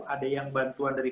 ada yang bantuan dari